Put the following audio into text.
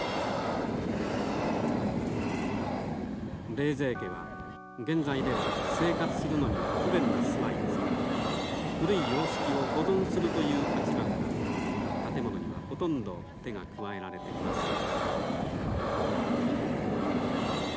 冷泉家は現在では生活するのには不便な住まいですが古い様式を保存するという立場から建物にはほとんど手が加えられていません。